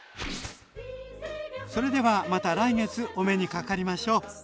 それではまた来月お目にかかりましょう！